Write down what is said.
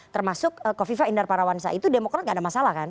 termasuk kofi fahim darwara wansa itu demokrat tidak ada masalah kan